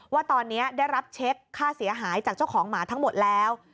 ว่าตอนนี้ได้รับเช็คค่าเสียหายจากเจ้าของหมาทั้งหมดแล้ว